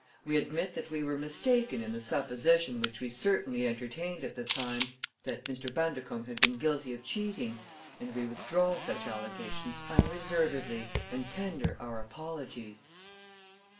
We admit that we were mistaken in the supposition which we certainly entertained at the time that Mr. Bundercombe had been guilty of cheating and we withdraw such allegations unreservedly, and tender our apologies."